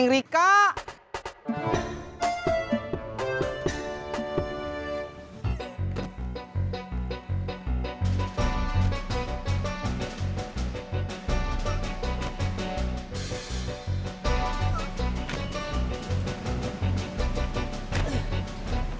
neng rika mau sampai kapan kita marah